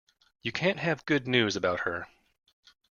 You can't have good news about her.